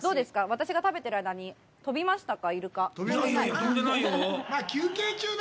私が食べてる間に飛びましたか？